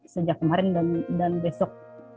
sejak kemarin dan besok